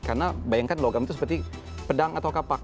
karena bayangkan logam itu seperti pedang atau kapak